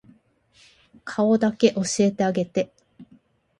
顔だけ教えてあげて